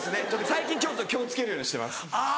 最近ちょっと気を付けるようにしてます。